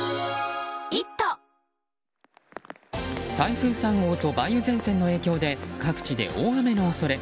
台風３号と梅雨前線の影響で各地で大雨の恐れ。